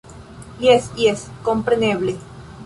- Jes, jes kompreneble